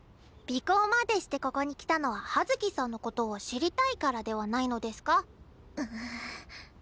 尾行までしてここに来たのは葉月さんのことを知りたいからではないのですか？